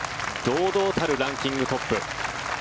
堂々たるランキングトップ。